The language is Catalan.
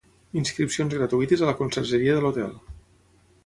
Inscripcions gratuïtes a la consergeria de l'hotel.